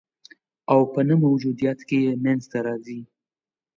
او په نه موجودیت کي یې منځ ته راځي